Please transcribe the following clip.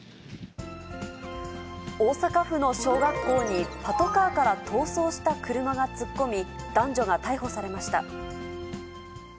大阪府の小学校にパトカーから逃走した車が突っ込み、男女が逮捕されました。